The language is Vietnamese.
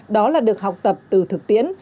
đó là được học tập từ thực tiễn